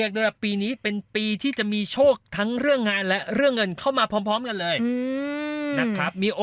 ความรักอันนั้นนี้